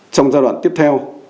trong giai đoạn tiếp theo